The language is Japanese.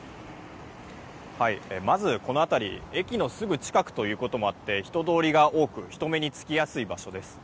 まず、この辺り駅のすぐ近くということもあって人通りが多く人目に付きやすい場所です。